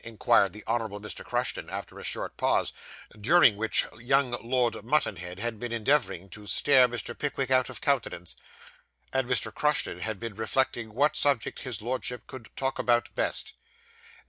inquired the Honourable Mr. Crushton, after a short pause, during which young Lord Mutanhed had been endeavouring to stare Mr. Pickwick out of countenance, and Mr. Crushton had been reflecting what subject his Lordship could talk about best.